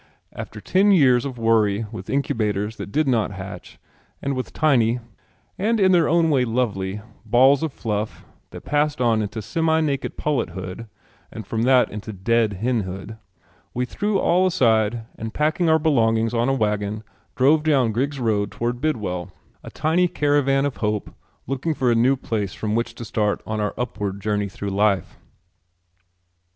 After ten years of worry with incubators that did not hatch, and with tiny and in their own way lovely balls of fluff that passed on into semi naked pullethood and from that into dead hen hood, we threw all aside and packing our belongings on a wagon drove down Griggs's Road toward Bidwell, a tiny caravan of hope looking for a new place from which to start on our upward journey through life.